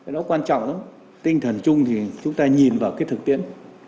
đó quan trọng lắm tinh thần chung thì chúng ta nhìn vào thực tiễn